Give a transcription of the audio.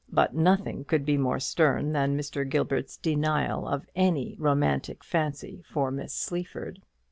But nothing could be more stern than Mr. Gilbert's denial of any romantic fancy for Miss Sleaford.